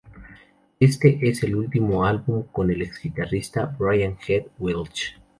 Este es el último álbum con el ex-guitarrista Brian "Head" Welch.